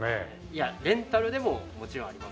いやレンタルでももちろんあります。